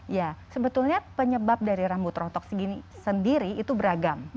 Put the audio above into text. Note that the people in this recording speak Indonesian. ya sebetulnya penyebab dari rambut rontok sendiri itu beragam